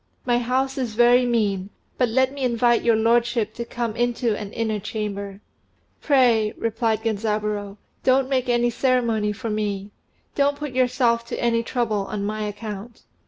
My house is very mean, but let me invite your lordship to come into an inner chamber." "Pray," replied Genzaburô, "don't make any ceremony for me. Don't put yourself to any trouble on my account."